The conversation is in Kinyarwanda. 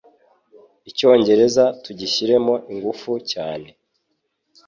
Icyongereza tugishyiremo ingufu cyane